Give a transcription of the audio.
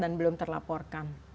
dan belum terlaporkan